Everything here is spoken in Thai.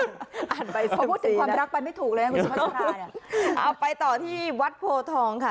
อ่านใบเซียมซีนะพอพูดถึงความรักไปไม่ถูกเลยนะคุณสมัสพราเนี่ยเอาไปต่อที่วัดโพทองค่ะ